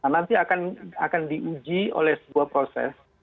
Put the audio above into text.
nanti akan diuji oleh sebuah proses